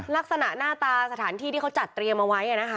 ลักษณะหน้าตาสถานที่ที่เขาจัดเตรียมเอาไว้นะคะ